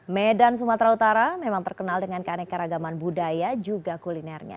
medan sumatera utara memang terkenal dengan keanekaragaman budaya juga kulinernya